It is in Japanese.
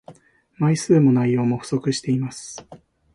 枚数も内容も不足しています